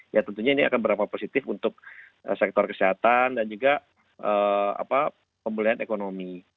ya tentunya ini akan berapa positif untuk sektor kesehatan dan juga pemulihan ekonomi